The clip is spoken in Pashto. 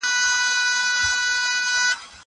زه کولای سم پاکوالی وکړم!!